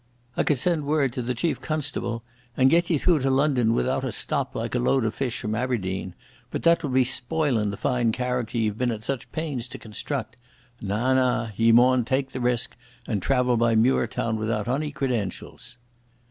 I could send word to the Chief Constable and get ye through to London without a stop like a load of fish from Aiberdeen, but that would be spoilin' the fine character ye've been at such pains to construct. Na, na! Ye maun take the risk and travel by Muirtown without ony creedentials."